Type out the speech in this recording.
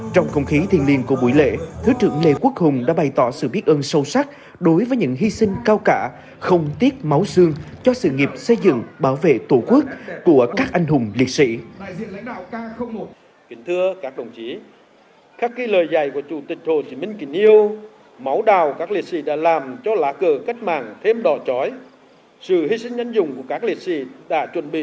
trong không khí thiền liền của buổi lễ thứ trưởng lê quốc hùng đã bày tỏ sự biết ơn sâu sắc đối với những hy sinh cao cả không tiếc máu xương cho sự nghiệp xây dựng bảo vệ tổ quốc của các anh hùng liệt sĩ